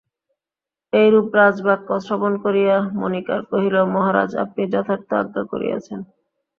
এইরূপ রাজবাক্য শ্রবণ করিয়া মণিকার কহিল মহারাজ আপনি যথার্থ আজ্ঞা করিয়াছেন।